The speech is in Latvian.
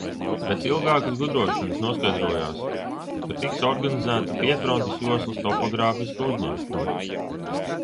Pēc ilgākas gudrošanas noskaidrojās, ka tiks organizēta piefrontes joslas topogrāfiska uzņemšana.